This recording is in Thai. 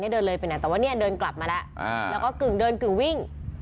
เดินเลยไปไหนแต่ว่าเนี่ยเดินกลับมาแล้วแล้วก็กึ่งเดินกึ่งวิ่ง